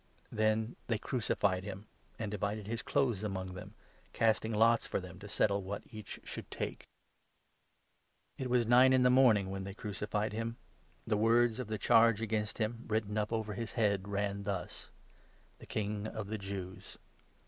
Then 24 they crucified him, and divided his clothes among them, casting lots for them, to settle what each should take. It was nine in 25 33 PS. 69. 31. 24 ps. 32. ,§. 38 MARK, 15. the morning when they crucified him. The words of the 26 charge against him, written up over his head, ran thus — 'THE KING OF THE JEWS.'